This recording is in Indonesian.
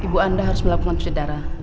ibu anda harus melakukan cuci darah